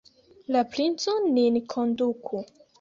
La princo nin konduku!